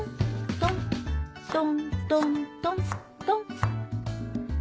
トントントントン。